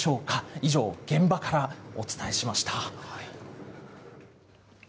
以上、現場からお伝えしました。